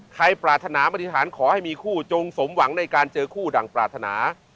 ปรารถนาปฏิฐานขอให้มีคู่จงสมหวังในการเจอคู่ดั่งปรารถนา